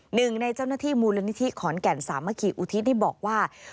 หนึ่งในเจ้าหน้าที่มูลนิธิขอนแก่นสามัคคีอุทิศนี่บอกว่า